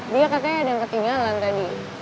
dia katanya ada nge tinggalan tadi